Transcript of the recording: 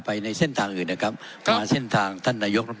ขอประท้วงครับขอประท้วงครับขอประท้วงครับขอประท้วงครับ